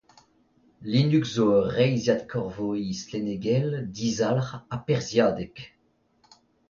Linux zo ur reizhiad korvoiñ stlennegel dizalc'h ha perzhiadek.